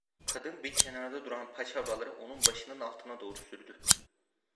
Kadın bir kenarda duran paçavraları onun başının altına doğru sürdü.